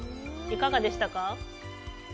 いかがでしたか？